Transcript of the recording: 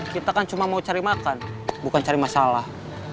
kita kan cuma mau cari makan bukan cari masalah